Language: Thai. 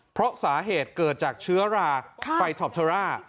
เพราะสาเหตุเกิดจากเชื้อราไฟท็อปเชอร่า